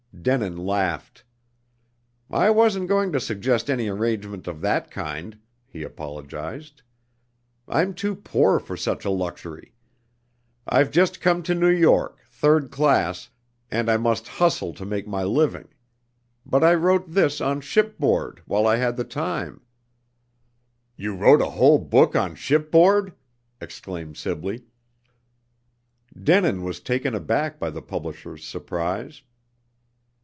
Denin laughed. "I wasn't going to suggest any arrangement of that kind," he apologized. "I'm too poor for such a luxury. I've just come to New York, third class, and I must 'hustle' to make my living. But I wrote this on shipboard, while I had the time " "You wrote a whole book on shipboard!" exclaimed Sibley. Denin was taken aback by the publisher's surprise.